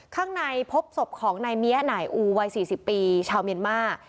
ข้างในพบศพของนายเมียหน่ายอูวัย๔๐ปีชาวเมียนมาร์